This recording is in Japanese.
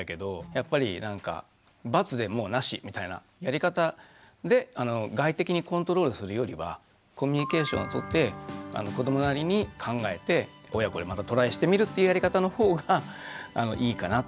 やっぱりなんか罰でもうなしみたいなやり方で外的にコントロールするよりはコミュニケーションを取って子どもなりに考えて親子でまたトライしてみるっていうやり方のほうがいいかなとは思います。